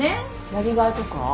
やりがいとか？